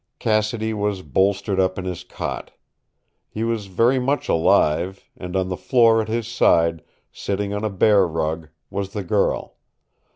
Cassidy was bolstered up in his cot. He was very much alive, and on the floor at his side, sitting on a bear rug, was the girl.